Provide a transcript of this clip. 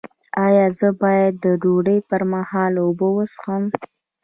ایا زه باید د ډوډۍ پر مهال اوبه وڅښم؟